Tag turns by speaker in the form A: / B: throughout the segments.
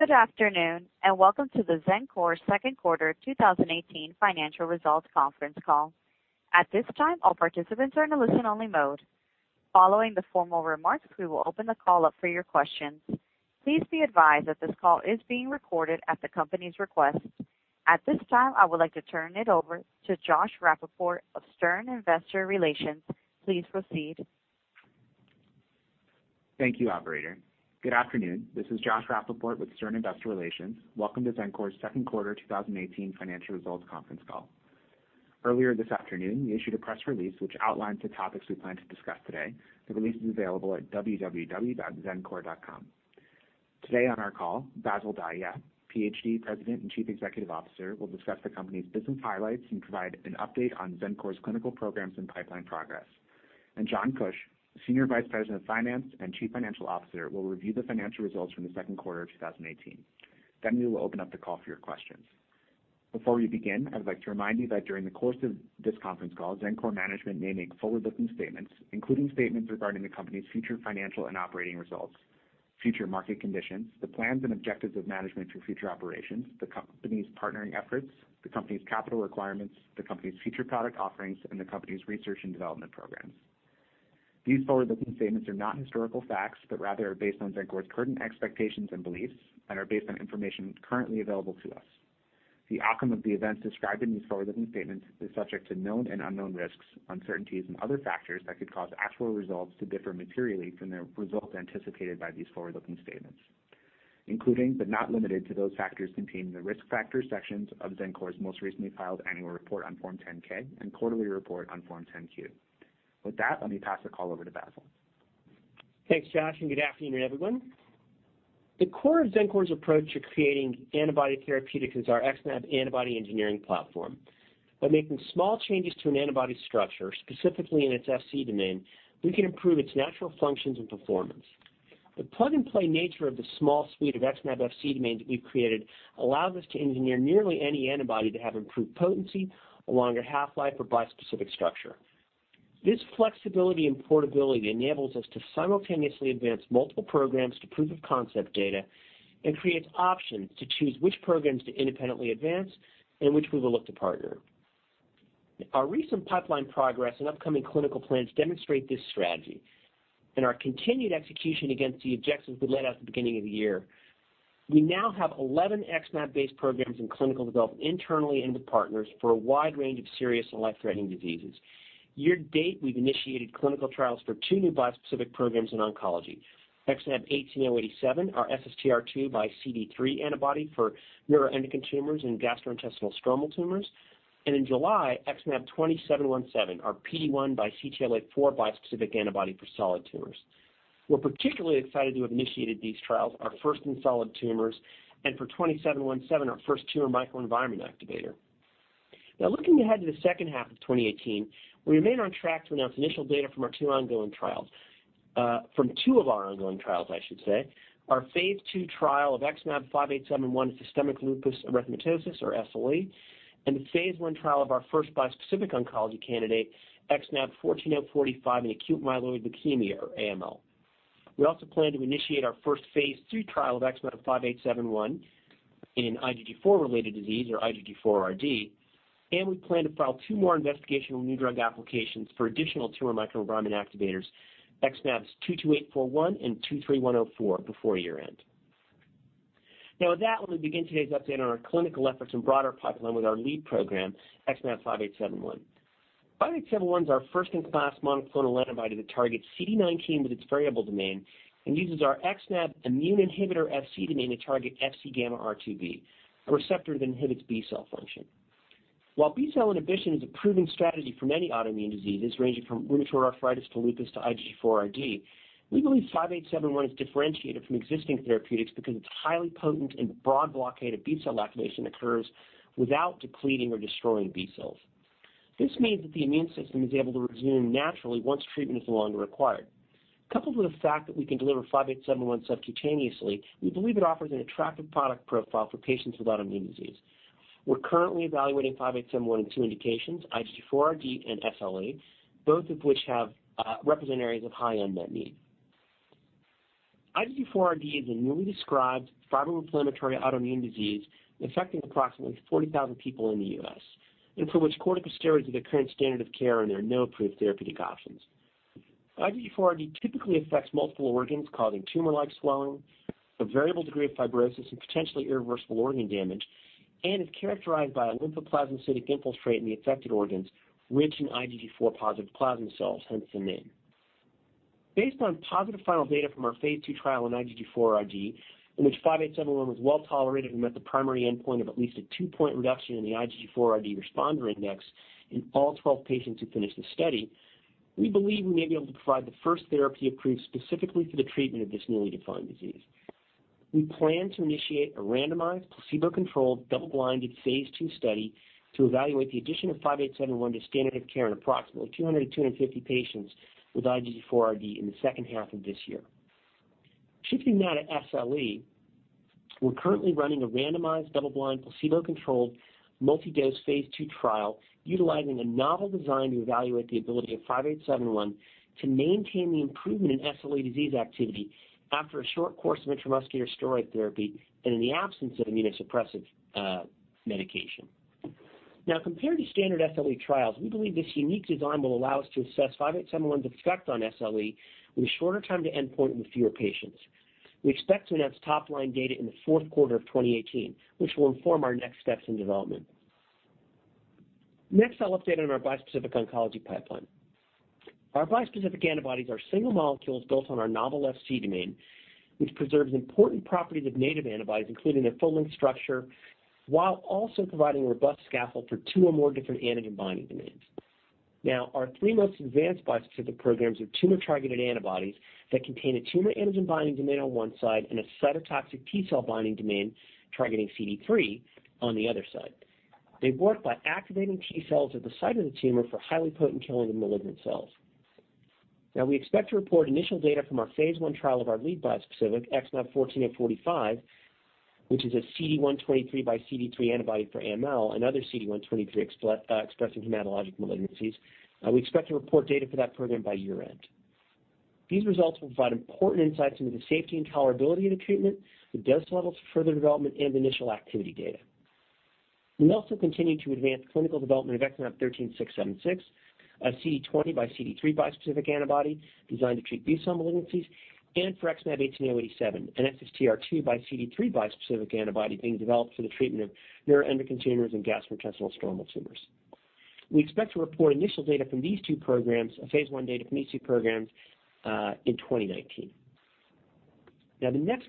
A: Good afternoon, and welcome to the Xencor second quarter 2018 financial results conference call. At this time, all participants are in a listen-only mode. Following the formal remarks, we will open the call up for your questions. Please be advised that this call is being recorded at the company's request. At this time, I would like to turn it over to Joshua Rappaport of Stern Investor Relations. Please proceed.
B: Thank you, operator. Good afternoon. This is Joshua Rappaport with Stern Investor Relations. Welcome to Xencor's second quarter 2018 financial results conference call. Earlier this afternoon, we issued a press release which outlines the topics we plan to discuss today. The release is available at www.xencor.com. Today on our call, Bassil Dahiyat, Ph.D., President and Chief Executive Officer, will discuss the company's business highlights and provide an update on Xencor's clinical programs and pipeline progress. John Kuch, Senior Vice President of Finance and Chief Financial Officer, will review the financial results from the second quarter of 2018. We will open up the call for your questions. Before we begin, I would like to remind you that during the course of this conference call, Xencor management may make forward-looking statements, including statements regarding the company's future financial and operating results, future market conditions, the plans and objectives of management for future operations, the company's partnering efforts, the company's capital requirements, the company's future product offerings, and the company's research and development programs. These forward-looking statements are not historical facts, but rather are based on Xencor's current expectations and beliefs and are based on information currently available to us. The outcome of the events described in these forward-looking statements is subject to known and unknown risks, uncertainties and other factors that could cause actual results to differ materially from the results anticipated by these forward-looking statements, including, but not limited to, those factors contained in the Risk Factors sections of Xencor's most recently filed annual report on Form 10-K and quarterly report on Form 10-Q. With that, let me pass the call over to Bassil.
C: Thanks, Josh, and good afternoon, everyone. The core of Xencor's approach to creating antibody therapeutics is our XmAb antibody engineering platform. By making small changes to an antibody structure, specifically in its Fc domain, we can improve its natural functions and performance. The plug-and-play nature of the small suite of XmAb Fc domains that we've created allows us to engineer nearly any antibody to have improved potency, a longer half-life, or bispecific structure. This flexibility and portability enables us to simultaneously advance multiple programs to proof of concept data and creates options to choose which programs to independently advance and which we will look to partner. Our recent pipeline progress and upcoming clinical plans demonstrate this strategy and our continued execution against the objectives we laid out at the beginning of the year. We now have 11 XmAb-based programs in clinical development internally and with partners for a wide range of serious and life-threatening diseases. Year to date, we've initiated clinical trials for two new bispecific programs in oncology. XmAb18087, our SSTR2 x CD3 antibody for neuroendocrine tumors and gastrointestinal stromal tumors, and in July, XmAb20717, our PD-1 x CTLA-4 bispecific antibody for solid tumors. We're particularly excited to have initiated these trials, our first in solid tumors, and for XmAb20717, our first tumor microenvironment activator. Looking ahead to the second half of 2018, we remain on track to announce initial data from two of our ongoing trials. Our phase II trial of XmAb5871 for Systemic Lupus Erythematosus, or SLE, and the phase I trial of our first bispecific oncology candidate, XmAb14045, in acute myeloid leukemia, or AML. We also plan to initiate our first phase III trial of XmAb5871 in IgG4-Related Disease, or IgG4-RD, and we plan to file two more Investigational New Drug applications for additional tumor microenvironment activators, XmAb22841 and XmAb23104, before year-end. With that, let me begin today's update on our clinical efforts and broader pipeline with our lead program, XmAb5871. XmAb5871 is our first-in-class monoclonal antibody that targets CD19 with its variable domain and uses our XmAb immune inhibitor Fc domain to target FcγRIIb, a receptor that inhibits B-cell function. While B-cell inhibition is a proven strategy for many autoimmune diseases, ranging from rheumatoid arthritis to lupus to IgG4-RD, we believe XmAb5871 is differentiated from existing therapeutics because its highly potent and broad blockade of B-cell activation occurs without depleting or destroying B-cells. This means that the immune system is able to resume naturally once treatment is no longer required. Coupled with the fact that we can deliver XmAb5871 subcutaneously, we believe it offers an attractive product profile for patients with autoimmune disease. We're currently evaluating XmAb5871 in two indications, IgG4-RD and SLE, both of which represent areas of high unmet need. IgG4-RD is a newly described fibroinflammatory autoimmune disease affecting approximately 40,000 people in the U.S., and for which corticosteroids are the current standard of care and there are no approved therapeutic options. IgG4-RD typically affects multiple organs, causing tumor-like swelling, a variable degree of fibrosis, and potentially irreversible organ damage, and is characterized by a lymphoplasmacytic infiltrate in the affected organs rich in IgG4-positive plasma cells, hence the name. Based on positive final data from our phase II trial in IgG4-RD, in which 5871 was well-tolerated and met the primary endpoint of at least a two-point reduction in the IgG4-RD Responder Index in all 12 patients who finished the study, we believe we may be able to provide the first therapy approved specifically for the treatment of this newly defined disease. We plan to initiate a randomized, placebo-controlled, double-blinded phase II study to evaluate the addition of 5871 to standard of care in approximately 200 to 250 patients with IgG4-RD in the second half of this year. Shifting now to SLE, we're currently running a randomized, double-blind, placebo-controlled, multi-dose phase II trial utilizing a novel design to evaluate the ability of 5871 to maintain the improvement in SLE disease activity after a short course of intramuscular steroid therapy and in the absence of immunosuppressive medication. Compared to standard SLE trials, we believe this unique design will allow us to assess 5871's effect on SLE with a shorter time to endpoint and with fewer patients. We expect to announce top-line data in the fourth quarter of 2018, which will inform our next steps in development. Next, I'll update on our bispecific oncology pipeline. Our bispecific antibodies are single molecules built on our novel Fc domain, which preserves important properties of native antibodies, including their full length structure, while also providing a robust scaffold for two or more different antigen binding domains. Our three most advanced bispecific programs are tumor targeted antibodies that contain a tumor antigen binding domain on one side and a cytotoxic T cell binding domain targeting CD3 on the other side. They work by activating T cells at the site of the tumor for highly potent killing of malignant cells. a CD20 x CD3 bispecific antibody designed to treat B-cell malignancies, and for XmAb18087, an SSTR2 x CD3 bispecific antibody being developed for the treatment of neuroendocrine tumors and gastrointestinal stromal tumors. We expect to report initial data from these two programs, phase I data from these two programs, in 2019. The next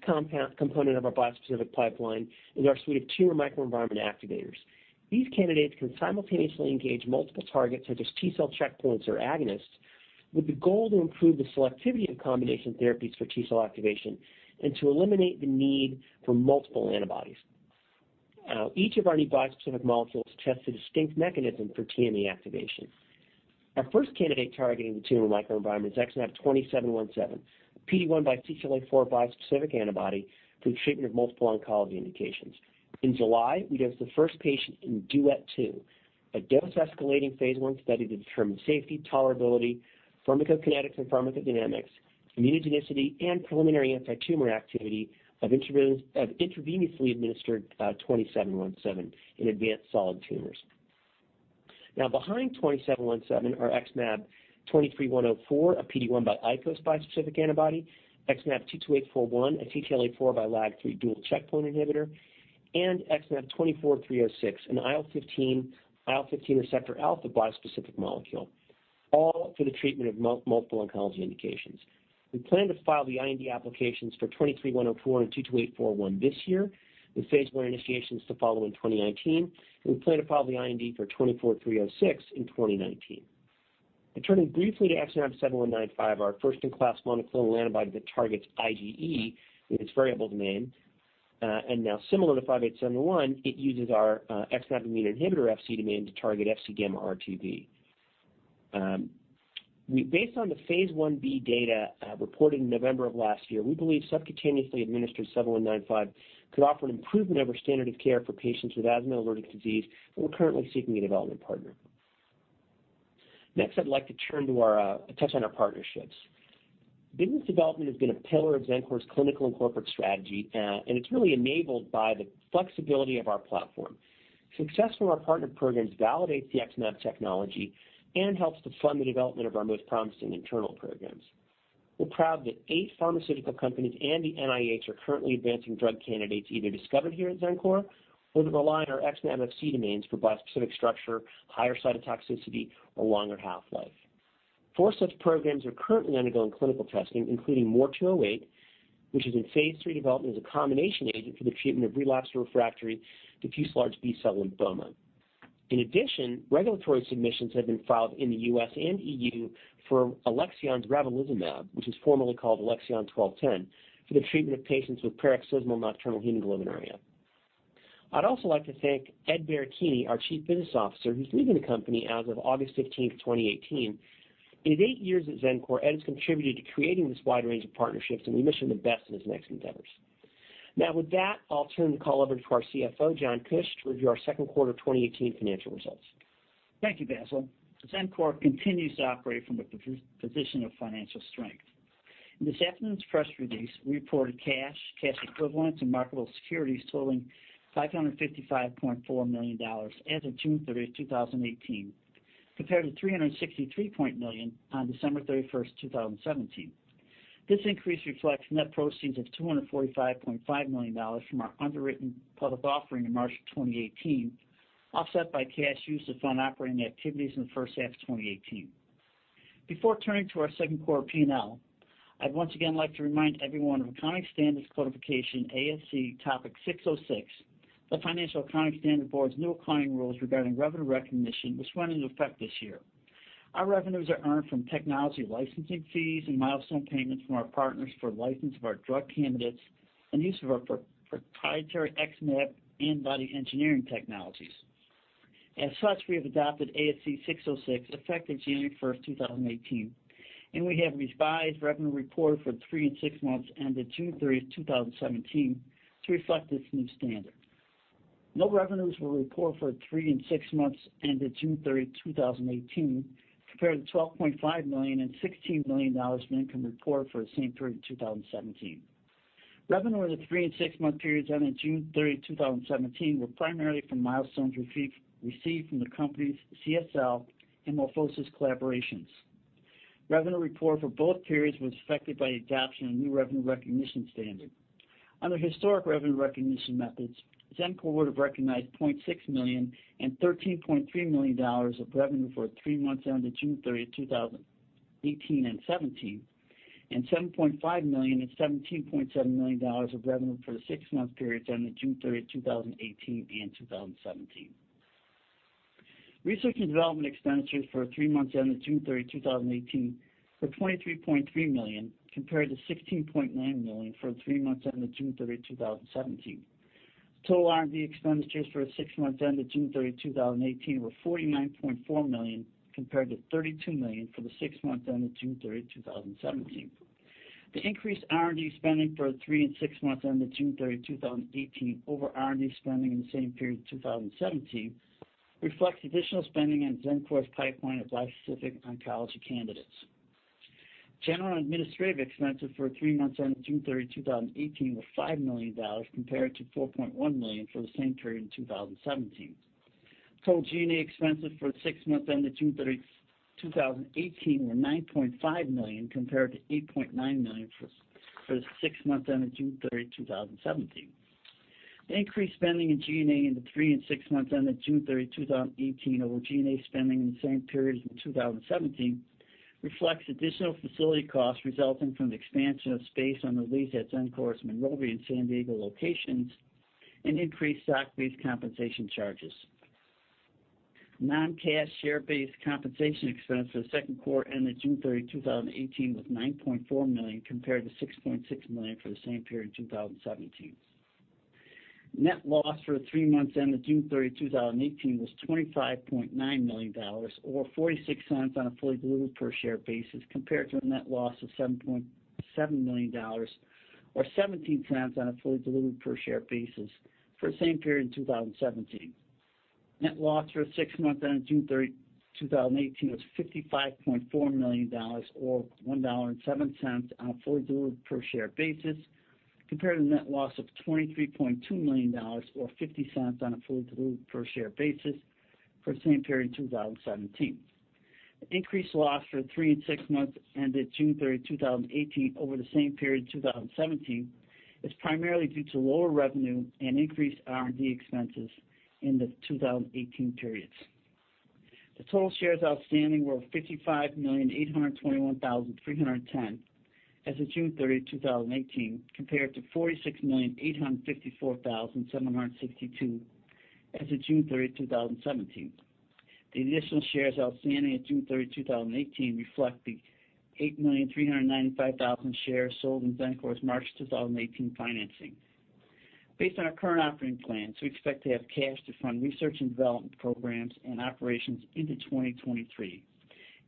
C: component of our bispecific pipeline is our suite of tumor microenvironment activators. These candidates can simultaneously engage multiple targets, such as T cell checkpoints or agonists, with the goal to improve the selectivity of combination therapies for T cell activation and to eliminate the need for multiple antibodies. Each of our new bispecific molecules tests a distinct mechanism for TME activation. Our first candidate targeting the tumor microenvironment is XmAb20717, a PD-1 x CTLA-4 bispecific antibody for the treatment of multiple oncology indications. In July, we dosed the first patient in DUET-2, a dose-escalating phase I study to determine safety, tolerability, pharmacokinetics and pharmacodynamics, immunogenicity, and preliminary antitumor activity of intravenously administered 20717 in advanced solid tumors. Behind 20717 are XmAb23104, a PD-1 x ICOS bispecific antibody, XmAb22841, a CTLA-4 x LAG-3 dual checkpoint inhibitor, and XmAb24306, an IL-15/IL-15 receptor alpha bispecific molecule, all for the treatment of multiple oncology indications. We plan to file the IND applications for 23104 and 22841 this year, with phase I initiations to follow in 2019. We plan to file the IND for 24306 in 2019. Turning briefly to XmAb7195, our first-in-class monoclonal antibody that targets IgE with its variable domain. Similar to XmAb5871, it uses our XmAb immune inhibitor Fc domain to target FcγRIIb. Based on the phase I-B data reported in November of last year, we believe subcutaneously administered 7195 could offer an improvement over standard of care for patients with asthma allergic disease, and we're currently seeking a development partner. Next, I'd like to touch on our partnerships. Business development has been a pillar of Xencor's clinical and corporate strategy, and it's really enabled by the flexibility of our platform. Success from our partner programs validates the XmAb technology and helps to fund the development of our most promising internal programs. We're proud that eight pharmaceutical companies and the NIH are currently advancing drug candidates either discovered here at Xencor or that rely on our XmAb Fc domains for bispecific structure, higher cytotoxicity, or longer half-life. Four such programs are currently undergoing clinical testing, including MOR208, which is in phase III development as a combination agent for the treatment of relapsed or refractory diffuse large B-cell lymphoma. In addition, regulatory submissions have been filed in the U.S. and EU for Alexion's ravulizumab, which was formerly called ALXN1210, for the treatment of patients with paroxysmal nocturnal hemoglobinuria. I'd also like to thank Ed Baracchini, our Chief Business Officer, who's leaving the company as of August 15, 2018. In his eight years at Xencor, Ed has contributed to creating this wide range of partnerships, and we wish him the best in his next endeavors. With that, I'll turn the call over to our CFO, John Kuch, to review our second quarter 2018 financial results.
D: Thank you, Bassil. Xencor continues to operate from a position of financial strength. In this afternoon's press release, we reported cash equivalents, and marketable securities totaling $555.4 million as of June 30, 2018, compared to $363 million on December 31, 2017. This increase reflects net proceeds of $245.5 million from our underwritten public offering in March of 2018, offset by cash used to fund operating activities in the first half of 2018. Before turning to our second quarter P&L, I would once again like to remind everyone of Accounting Standards Codification, ASC, Topic 606, the Financial Accounting Standards Board's new accounting rules regarding revenue recognition, which went into effect this year. Our revenues are earned from technology licensing fees and milestone payments from our partners for license of our drug candidates and use of our proprietary XmAb antibody engineering technologies. As such, we have adopted ASC 606 effective January 1, 2018, and we have revised revenue reported for 3 and 6 months ended June 30, 2017 to reflect this new standard. No revenues were reported for 3 and 6 months ended June 30, 2018, compared to $12.5 million and $16 million in income reported for the same period in 2017. Revenue for the 3 and 6-month periods ended June 30, 2017, were primarily from milestones received from the company's CSL and MorphoSys collaborations. Revenue report for both periods was affected by adoption of new revenue recognition standard. Under historic revenue recognition methods, Xencor would have recognized $0.6 million and $13.3 million of revenue for 3 months ended June 30, 2018 and 2017, and $7.5 million and $17.7 million of revenue for the 6-month periods ended June 30, 2018 and 2017. Research and development expenditures for 3 months ended June 30, 2018, were $23.3 million, compared to $16.9 million for the 3 months ended June 30, 2017. Total R&D expenditures for the 6 months ended June 30, 2018, were $49.4 million, compared to $32 million for the 6 months ended June 30, 2017. The increased R&D spending for the 3 and 6 months ended June 30, 2018, over R&D spending in the same period in 2017 reflects additional spending on Xencor's pipeline of bispecific oncology candidates. General and administrative expenses for the 3 months ending June 30, 2018, were $5 million compared to $4.1 million for the same period in 2017. Total G&A expenses for the 6 months ended June 30, 2018, were $9.5 million, compared to $8.9 million for the 6 months ended June 30, 2017. Increased spending in G&A in the 3 and 6 months ended June 30, 2018, over G&A spending in the same periods in 2017 reflects additional facility costs resulting from the expansion of space on the lease at Xencor's Monrovia and San Diego locations and increased stock-based compensation charges. Non-cash share-based compensation expense for the second quarter ended June 30, 2018, was $9.4 million, compared to $6.6 million for the same period in 2017. Net loss for the 3 months ended June 30, 2018, was $25.9 million or $0.46 on a fully diluted per share basis compared to a net loss of $7.7 million or $0.17 on a fully diluted per share basis for the same period in 2017. Net loss for the six months ended June 30, 2018, was $55.4 million or $1.07 on a fully diluted per share basis compared to net loss of $23.2 million or $0.50 on a fully diluted per share basis for the same period in 2017. Increased loss for three and six months ended June 30, 2018, over the same period in 2017 is primarily due to lower revenue and increased R&D expenses in the 2018 periods. The total shares outstanding were 55,821,310 as of June 30, 2018, compared to 46,854,762 as of June 30, 2017. The additional shares outstanding at June 30, 2018, reflect the 8,395,000 shares sold in Xencor's March 2018 financing. Based on our current operating plans, we expect to have cash to fund research and development programs and operations into 2023,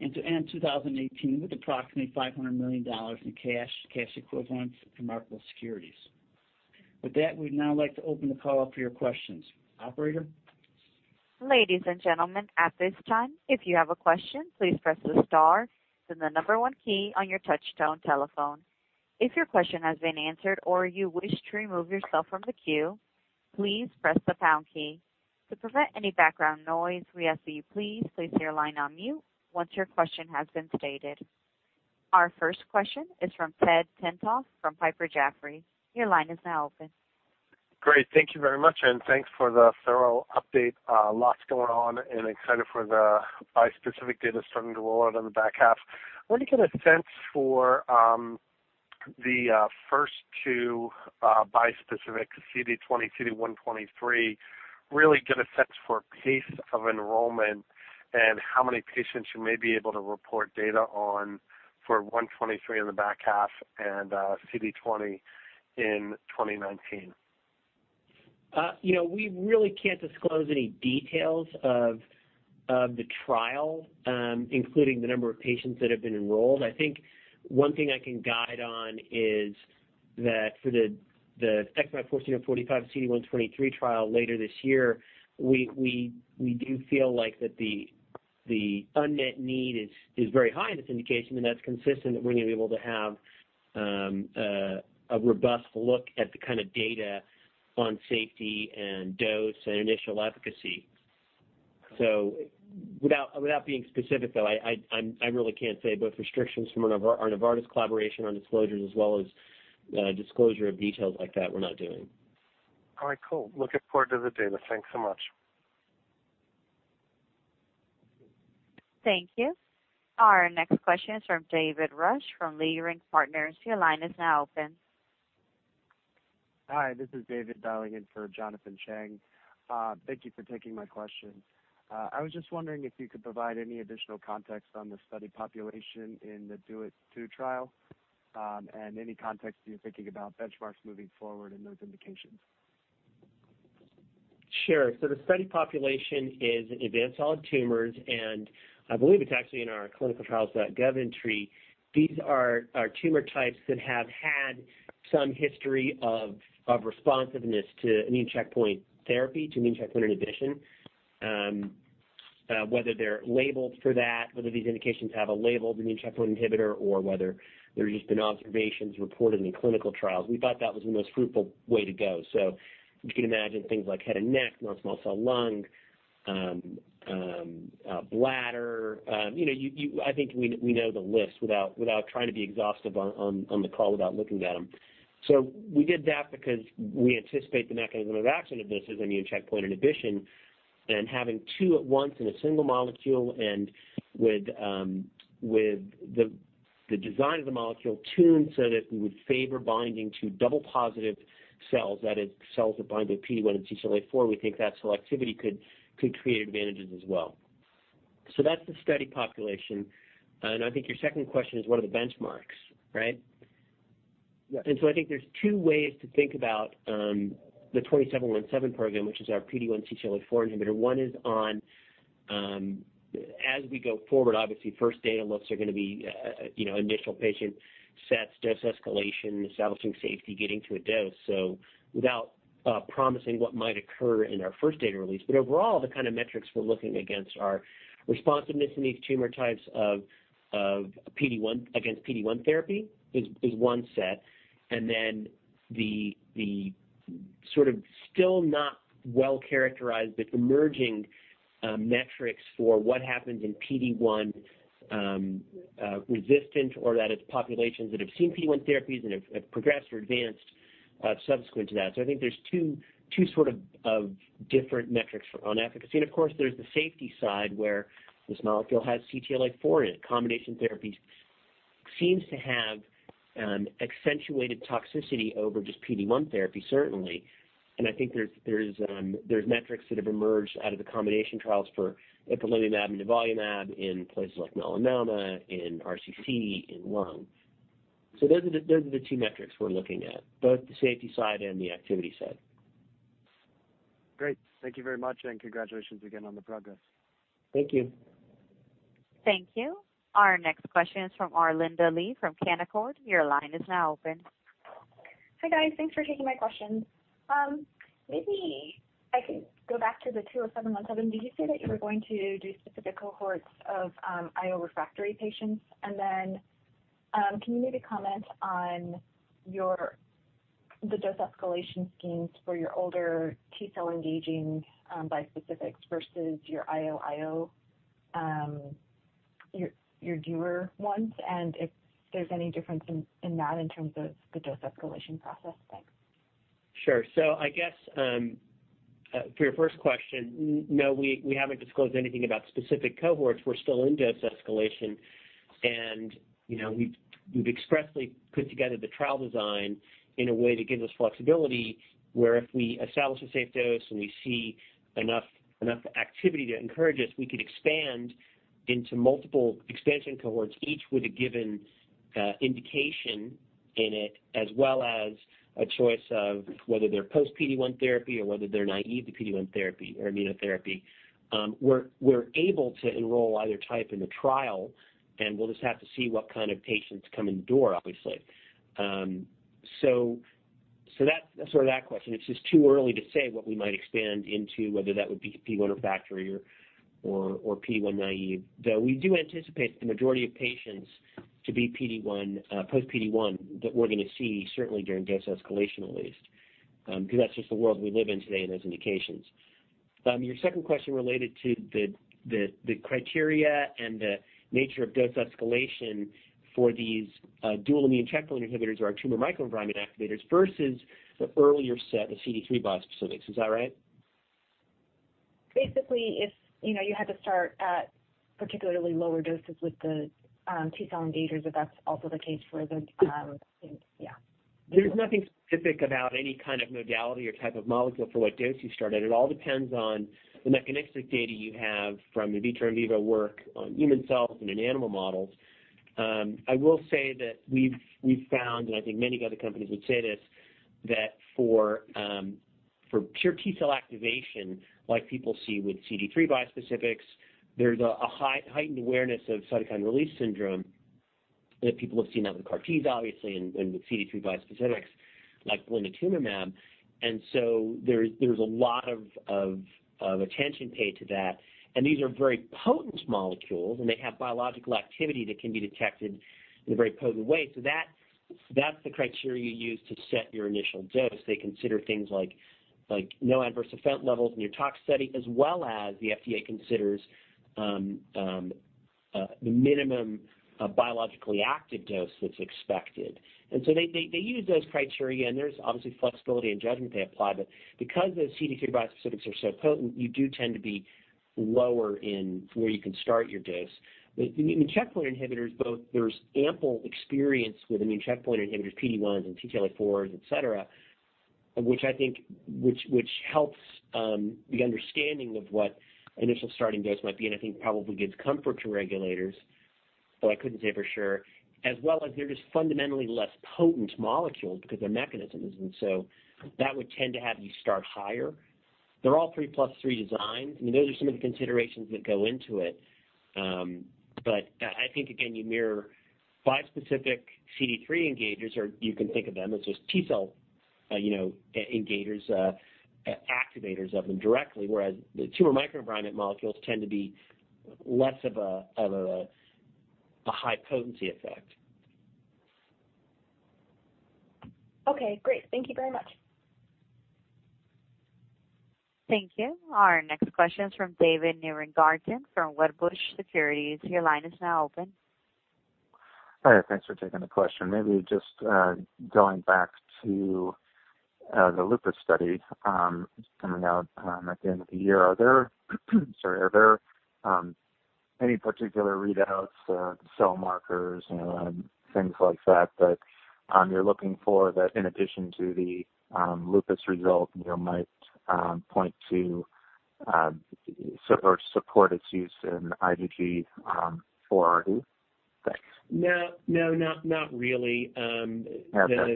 D: and to end 2018 with approximately $500 million in cash equivalents, and marketable securities. With that, we'd now like to open the call up for your questions. Operator?
A: Ladies and gentlemen, at this time, if you have a question, please press the star then the number one key on your touch tone telephone. If your question has been answered or you wish to remove yourself from the queue, please press the pound key. To prevent any background noise, we ask that you please place your line on mute once your question has been stated. Our first question is from Edward Tenthoff from Piper Jaffray. Your line is now open.
E: Great. Thank you very much, and thanks for the thorough update. Lots going on and excited for the bispecific data starting to roll out in the back half. I want to get a sense for the first two bispecifics, CD20, CD123, really get a sense for pace of enrollment and how many patients you may be able to report data on for 123 in the back half and CD20 in 2019.
C: We really can't disclose any details of the trial, including the number of patients that have been enrolled. I think one thing I can guide on is that for the XmAb14045 or 45 CD123 trial later this year, we do feel like that the unmet need is very high in this indication, and that's consistent that we're going to be able to have a robust look at the kind of data on safety and dose and initial efficacy. Without being specific, though, I really can't say, both restrictions from our Novartis collaboration on disclosures as well as disclosure of details like that we're not doing.
E: All right, cool. Looking forward to the data. Thanks so much.
A: Thank you. Our next question is from David Ruch from Leerink Partners. Your line is now open.
F: Hi, this is David dialing in for Jonathan Chang. Thank you for taking my question. I was just wondering if you could provide any additional context on the study population in the DUET-2 trial, and any context you're thinking about benchmarks moving forward in those indications.
C: Sure. The study population is advanced solid tumors, and I believe it's actually in our ClinicalTrials.gov entry. These are tumor types that have had some history of responsiveness to immune checkpoint therapy, to immune checkpoint inhibition. Whether they're labeled for that, whether these indications have a label, the immune checkpoint inhibitor, or whether there's just been observations reported in clinical trials. We thought that was the most fruitful way to go. You can imagine things like head and neck, non-small cell lung, bladder. I think we know the list without trying to be exhaustive on the call, without looking at them. We did that because we anticipate the mechanism of action of this as immune checkpoint inhibition, and having two at once in a single molecule and with the design of the molecule tuned so that we would favor binding to double positive cells, that is cells that bind to PD-1 and CTLA-4, we think that selectivity could create advantages as well. That's the study population, and I think your second question is what are the benchmarks, right?
F: Yeah.
C: I think there's two ways to think about the 20717 program, which is our PD-1/CTLA-4 inhibitor. One is on as we go forward, obviously first data looks are going to be initial patient sets, dose escalation, establishing safety, getting to a dose. Without promising what might occur in our first data release. Overall, the kind of metrics we're looking against are responsiveness in these tumor types against PD-1 therapy is one set, and then the sort of still not well-characterized but emerging metrics for what happens in PD-1 resistant, or that is populations that have seen PD-1 therapies and have progressed or advanced subsequent to that. I think there's two sort of different metrics on efficacy. Of course there's the safety side where this molecule has CTLA-4 in it. Combination therapies seems to have accentuated toxicity over just PD-1 therapy, certainly. I think there's metrics that have emerged out of the combination trials for ipilimumab and nivolumab in places like melanoma, in RCC, in lung. Those are the two metrics we're looking at, both the safety side and the activity side.
F: Great. Thank you very much, and congratulations again on the progress.
C: Thank you.
A: Thank you. Our next question is from Arlinda Lee from Canaccord. Your line is now open.
G: Hi guys. Thanks for taking my questions. Maybe I could go back to the XmAb20717. Did you say that you were going to do specific cohorts of IO refractory patients? Can you maybe comment on the dose escalation schemes for your older T-cell engaging bispecifics versus your IO, your DUET ones, and if there's any difference in that in terms of the dose escalation process? Thanks.
C: Sure. I guess for your first question, no, we haven't disclosed anything about specific cohorts. We're still in dose escalation and we've expressly put together the trial design in a way that gives us flexibility, where if we establish a safe dose and we see enough activity to encourage us, we could expand into multiple expansion cohorts, each with a given indication in it, as well as a choice of whether they're post PD-1 therapy or whether they're naive to PD-1 therapy or immunotherapy. We're able to enroll either type in the trial and we'll just have to see what kind of patients come in the door, obviously. That's sort of that question. It's just too early to say what we might expand into, whether that would be PD-1 refractory or PD-1 naive, though we do anticipate the majority of patients to be post PD-1 that we're going to see certainly during dose escalation at least, because that's just the world we live in today in those indications. Your second question related to the criteria and the nature of dose escalation for these dual immune checkpoint inhibitors or our tumor microenvironment activators versus the earlier set, the CD3 bispecifics. Is that right?
G: Basically, if you had to start at particularly lower doses with the T-cell engagers if that's also the case for the Yeah.
C: There's nothing specific about any kind of modality or type of molecule for what dose you start at. It all depends on the mechanistic data you have from in vitro, in vivo work on human cells and in animal models. I will say that we've found, and I think many other companies would say this, that for pure T-cell activation like people see with CD3 bispecifics, there's a heightened awareness of cytokine release syndrome that people have seen that with CAR Ts obviously, and with CD3 bispecifics like blinatumomab. There's a lot of attention paid to that. These are very potent molecules, and they have biological activity that can be detected in a very potent way. That's the criteria you use to set your initial dose. They consider things like no adverse event levels in your tox study as well as the FDA considers the minimum biologically active dose that's expected. They use those criteria, and there's obviously flexibility and judgment they apply, because those CD3 bispecifics are so potent, you do tend to be lower in where you can start your dose. With immune checkpoint inhibitors, both there's ample experience with immune checkpoint inhibitors, PD-1s and CTLA-4s, et cetera, which helps the understanding of what initial starting dose might be, and I think probably gives comfort to regulators, though I couldn't say for sure. They're just fundamentally less potent molecules because of their mechanisms, and that would tend to have you start higher. They're all 3+3 designs. Those are some of the considerations that go into it. I think again, you mirror bispecific CD3 engagers, or you can think of them as just T-cell engagers, activators of them directly, whereas the tumor microenvironment molecules tend to be less of a high potency effect.
G: Okay, great. Thank you very much.
A: Thank you. Our next question is from David Nierengarten from Wedbush Securities. Your line is now open.
H: Hi, thanks for taking the question. Maybe just going back to the lupus study coming out at the end of the year. Are there any particular readouts or cell markers, things like that you're looking for that in addition to the lupus result might point to or support its use in IgG4-RD? Thanks.
C: No, not really.
H: Okay.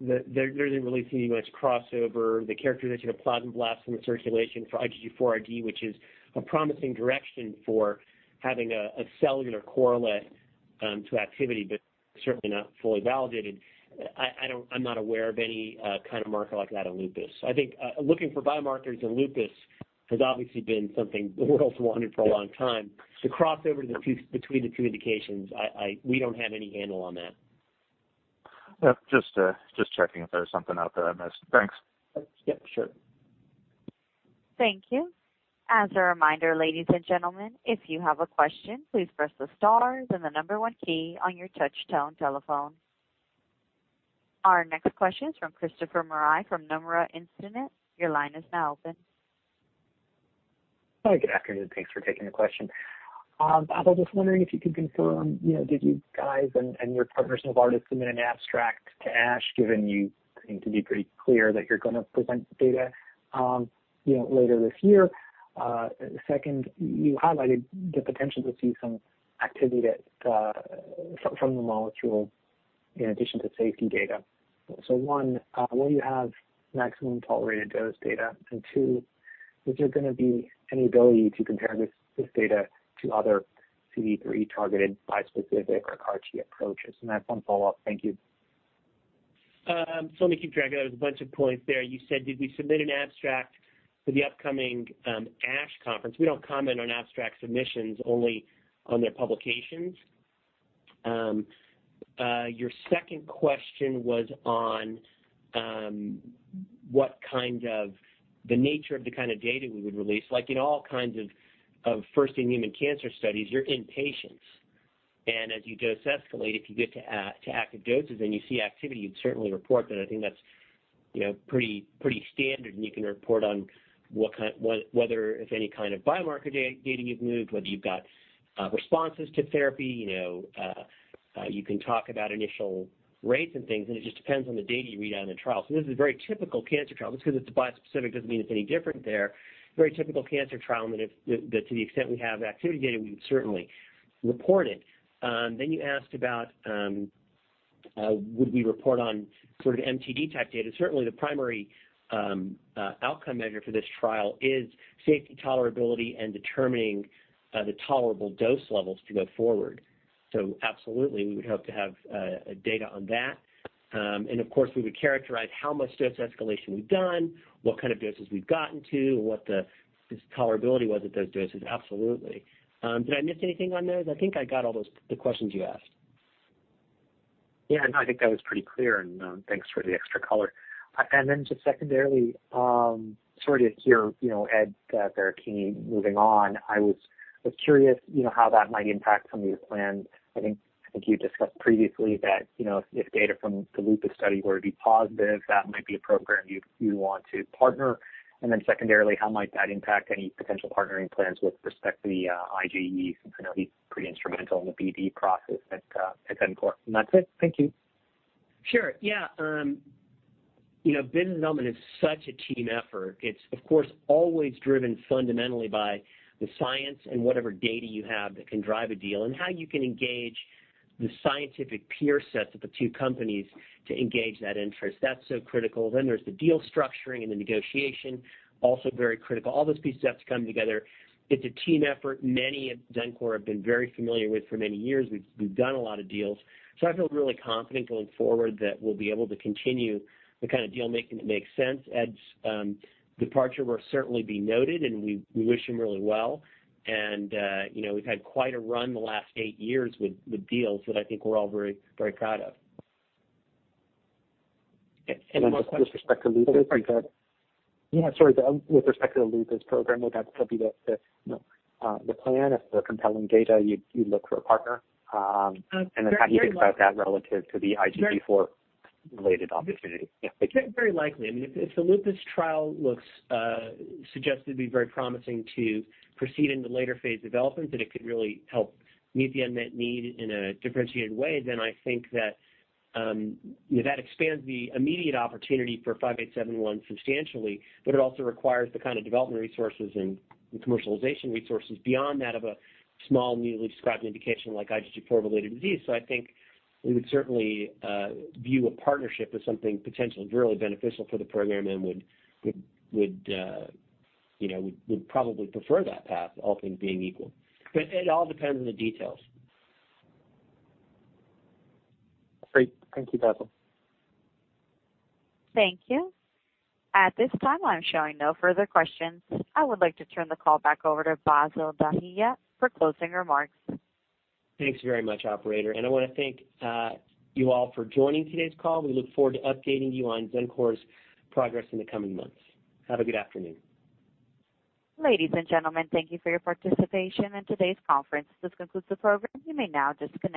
C: There isn't really too much crossover. The characterization of plasmoblasts in the circulation for IgG4-RD, which is a promising direction for having a cellular correlate to activity, but certainly not fully validated. I'm not aware of any kind of marker like that in lupus. I think looking for biomarkers in lupus has obviously been something the world's wanted for a long time. The crossover between the two indications, we don't have any handle on that.
H: Just checking if there was something out there I missed. Thanks.
C: Yep, sure.
A: Thank you. As a reminder, ladies and gentlemen, if you have a question, please press the star then the number one key on your touchtone telephone. Our next question is from Christopher Marai from Nomura Instinet. Your line is now open.
I: Hi, good afternoon. Thanks for taking the question. I was just wondering if you could confirm, did you guys and your partners have already submitted an abstract to ASH, given you seem to be pretty clear that you're going to present data later this year? Second, you highlighted the potential to see some activity from the molecule in addition to safety data. One, will you have maximum tolerated dose data? Two, is there going to be any ability to compare this data to other CD3 targeted bispecific or CAR T approaches? I have one follow-up. Thank you.
C: Let me keep track. There was a bunch of points there. You said, did we submit an abstract for the upcoming ASH conference? We don't comment on abstract submissions, only on their publications. Your second question was on the nature of the kind of data we would release. Like in all kinds of first-in-human cancer studies, you're in patients. As you dose escalate, if you get to active doses and you see activity, you'd certainly report that. I think that's pretty standard, you can report on whether, if any, kind of biomarker data you've moved, whether you've got responses to therapy. You can talk about initial rates and things, it just depends on the data you read out in the trial. This is a very typical cancer trial. Just because it's a bispecific doesn't mean it's any different there. Very typical cancer trial, to the extent we have activity data, we would certainly report it. You asked about would we report on sort of MTD type data. Certainly, the primary outcome measure for this trial is safety tolerability and determining the tolerable dose levels to go forward. Absolutely, we would hope to have data on that. Of course, we would characterize how much dose escalation we've done, what kind of doses we've gotten to, and what the tolerability was at those doses. Absolutely. Did I miss anything on those? I think I got all the questions you asked.
I: I think that was pretty clear, thanks for the extra color. Just secondarily, sort of to hear Ed Baracchini moving on, I was curious how that might impact some of your plans. I think you discussed previously that if data from the lupus study were to be positive, that might be a program you'd want to partner. Secondarily, how might that impact any potential partnering plans with respect to the IgE, since I know he's pretty instrumental in the BD process at Xencor. That's it. Thank you.
C: Sure. Business development is such a team effort. It's, of course, always driven fundamentally by the science whatever data you have that can drive a deal, and how you can engage the scientific peer sets of the two companies to engage that interest. That's so critical. There's the deal structuring and the negotiation, also very critical. All those pieces have to come together. It's a team effort. Many at Xencor have been very familiar with for many years. We've done a lot of deals, I feel really confident going forward that we'll be able to continue the kind of deal-making that makes sense. Ed's departure will certainly be noted, we wish him really well. We've had quite a run the last 8 years with deals that I think we're all very proud of. Any more questions?
I: With respect to lupus-
C: Oh, sorry.
I: Yeah, sorry. With respect to the lupus program, would that be the plan if the compelling data, you'd look for a partner?
C: Very likely.
I: How do you think about that relative to the IgG4-related opportunity? Yeah. Thank you.
C: Very likely. I mean, if the lupus trial looks suggested to be very promising to proceed into later-phase development, that it could really help meet the unmet need in a differentiated way, then I think that expands the immediate opportunity for XmAb5871 substantially, but it also requires the kind of development resources and commercialization resources beyond that of a small newly described indication like IgG4-Related Disease. I think we would certainly view a partnership as something potentially really beneficial for the program and would probably prefer that path, all things being equal. It all depends on the details.
I: Great. Thank you, Bassil.
A: Thank you. At this time, I'm showing no further questions. I would like to turn the call back over to Bassil Dahiyat for closing remarks.
C: Thanks very much, operator. I want to thank you all for joining today's call. We look forward to updating you on Xencor's progress in the coming months. Have a good afternoon.
A: Ladies and gentlemen, thank you for your participation in today's conference. This concludes the program. You may now disconnect.